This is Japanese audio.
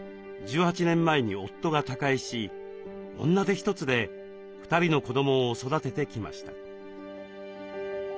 １８年前に夫が他界し女手一つで２人の子どもを育ててきました。